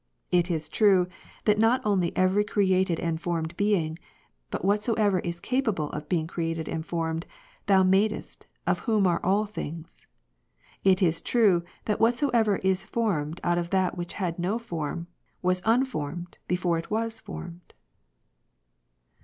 It is true, that not only every created and formed thing, but whatsoever is capable of being created 1 Cor. 8, and formed. Thou madest, of whom are all things. It is true, that whatsoever is formed out of that which had no form, was unformed before it was formed.